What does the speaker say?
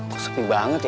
kok sepi banget ya